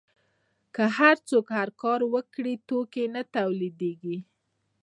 که هر څوک هر کار وکړي توکي نه تولیدیږي.